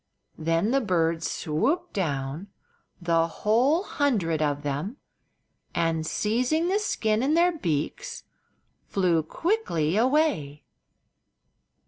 Then the birds swooped down—the whole hundred of them—and seizing the skin in their beaks flew quickly away.